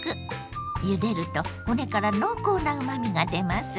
ゆでると骨から濃厚なうまみが出ます。